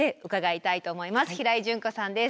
平井潤子さんです。